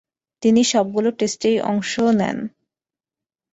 তিনি সবগুলো টেস্টেই অংশ নেন।